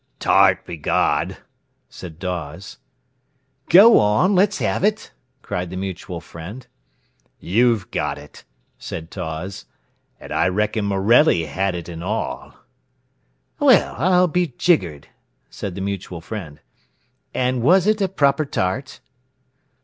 "Tart, begod!" said Dawes. "Go on; let's have it!" cried the mutual friend. "You've got it," said Dawes, "an' I reckon Morelly had it an' all." "Well, I'll be jiggered!" said the mutual friend. "An' was it a proper tart?"